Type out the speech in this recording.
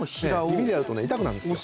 指でやると痛くなるんですよ。